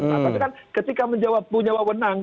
tapi kan ketika menjawab punya wawenang